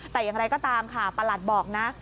แต่อย่างไรก็ตามค่ะประหลัดบอกนะ